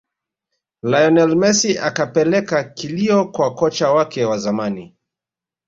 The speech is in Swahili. lionel messi akapeleka kilio kwa kocha wake wa zamani